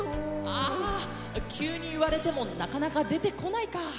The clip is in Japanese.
ああきゅうにいわれてもなかなかでてこないか。